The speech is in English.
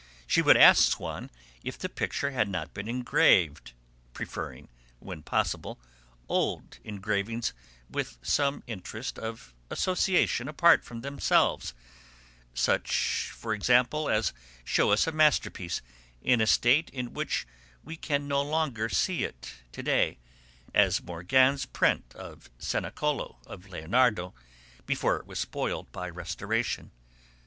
She would ask Swann if the picture had not been engraved, preferring, when possible, old engravings with some interest of association apart from themselves, such, for example, as shew us a masterpiece in a state in which we can no longer see it to day, as Morghen's print of the 'Cenacolo' of Leonardo before it was spoiled by restoration.